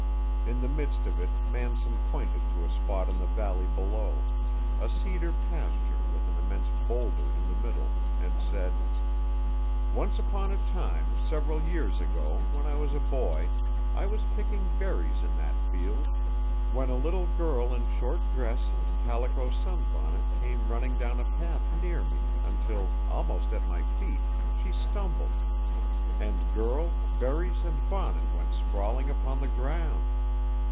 In the midst of it Manson pointed to a spot in the valley below a cedar pasture with an immense boulder in the middle and said: "Once upon a time, several years ago, when I was a boy, I was picking berries in that field, when a little girl in short dress and calico sun bonnet came running down a path near me until, almost at my feet, she stumbled, and girl, berries and bonnet went sprawling upon the ground!